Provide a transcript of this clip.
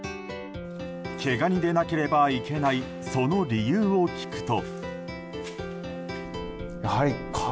毛ガニでなければいけないその理由を聞くと。